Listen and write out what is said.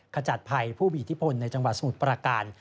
ขจัดภัยผู้มีอิทธิพลในจังหวัดสมุทรประการ